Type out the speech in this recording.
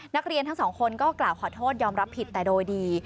นักเรียนทั้งสองคนก็กล่าวขอโทษยอมรับผิดแต่โดยดี